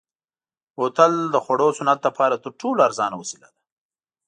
بوتل د خوړو صنعت لپاره تر ټولو ارزانه وسیله ده.